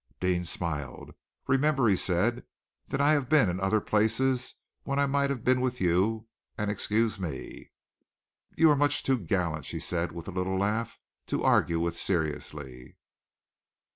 Deane smiled. "Remember," he said, "that I have been in other places when I might have been with you, and excuse me." "You are much too gallant," she said, with a little laugh, "to argue with seriously."